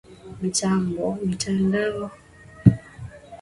mitando hiyo inatumika vizuri kudumishwa na kupitishwa